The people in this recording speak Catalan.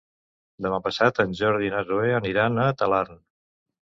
Demà passat en Jordi i na Zoè aniran a Talarn.